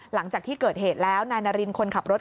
หลังจากที่เกิดเหตุแล้วนายนารินคนขับรถ